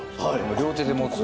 両手で持つ。